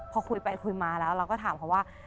พอคุยไปคุยมาแล้วเราก็ถามเขาว่า